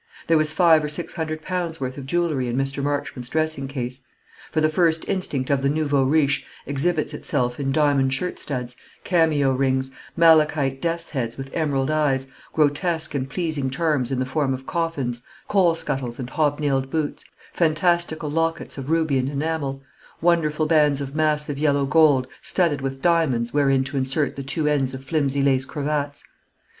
There was five or six hundred pounds' worth of jewellery in Mr. Marchmont's dressing case; for the first instinct of the nouveau riche exhibits itself in diamond shirt studs, cameo rings, malachite death's heads with emerald eyes; grotesque and pleasing charms in the form of coffins, coal scuttles, and hobnailed boots; fantastical lockets of ruby and enamel; wonderful bands of massive yellow gold, studded with diamonds, wherein to insert the two ends of flimsy lace cravats.